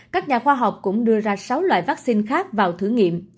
các nhà khoa học cũng đưa ra sáu loại vaccine khác vào thử nghiệm